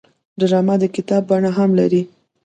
ډرامه د کتاب بڼه هم لري